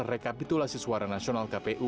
rekapitulasi suara nasional kpu